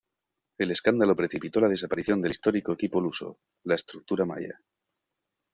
El escándalo precipitó la desaparición del histórico equipo luso, la estructura Maia.